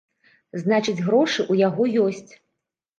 Значыць, грошы ў яго ёсць.